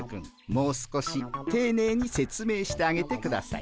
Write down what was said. もう少していねいに説明してあげてください。